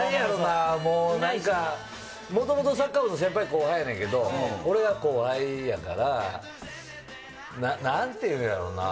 なんかもともとサッカー部の先輩後輩やねんけど、俺が後輩やから、なんて言うんやろな。